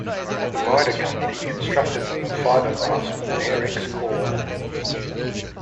The Ryder company constructed them of fiberglass with an Airex core.